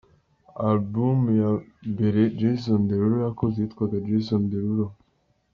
Album ya mbere Jason Derulo yakoze yitwaga Jason Derulo.